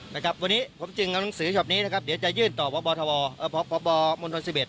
วันนี้ผมจึงเอาหนังสือชอบนี้เดี๋ยวจะยื่นต่อบพบม๑๑